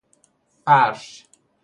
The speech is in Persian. فرش